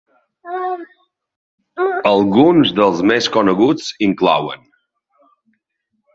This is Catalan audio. Alguns dels més coneguts inclouen.